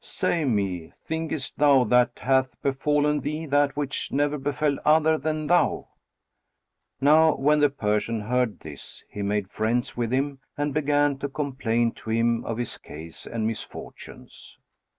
Say me, thinkest thou that hath befallen thee that which never befel other than thou?" Now when the Persian heard this, he made friends with him and began to complain to him of his case and misfortunes.